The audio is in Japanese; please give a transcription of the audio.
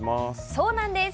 そうなんです。